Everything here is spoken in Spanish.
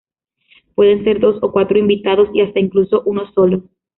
Pueden ser dos o cuatro invitados y hasta incluso uno solo.